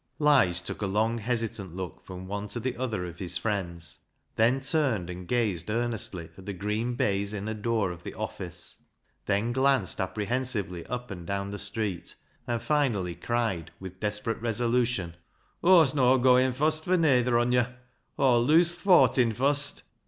Lige took a long, hesitant look from one to the other of his friends, then turned and gazed earnestly at the green baize inner door of the office ; then glanced apprehensively up and down the street, and finally cried, with desperate resolution — i6o RECKSIDE LIGHTS " Aw'st no' goa in fost for noather on yo'. Aw'll lose th' fortin fost."